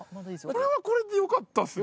これはこれでよかったっすね。